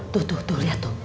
tuh tuh tuh lihat tuh